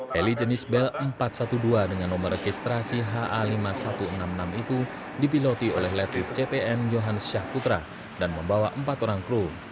heli jenis bell empat ratus dua belas dengan nomor registrasi ha lima ribu satu ratus enam puluh enam itu dipiloti oleh letrip cpn johan syahputra dan membawa empat orang kru